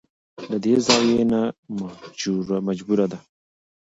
له دې زاويې نه مجبوره ده.